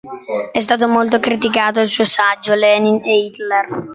È stato molto criticato il suo saggio, "Lenin e Hitler.